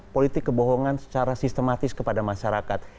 politik kebohongan secara sistematis kepada masyarakat